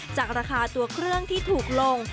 จากราคาตัวเครื่องที่ถูกลง